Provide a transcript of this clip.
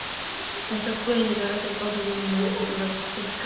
Estas pueden llegar a ser causas de inundaciones en poblaciones costeras.